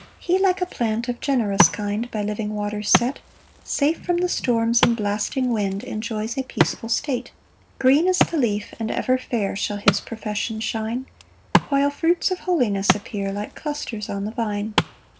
3 [He like a plant of generous kind, By living waters set, Safe from the storms and blasting wind, Enjoys a peaceful state.] 4 Green as the leaf and ever fair Shall his profession shine, While fruits of holiness appear Like clusters on the vine.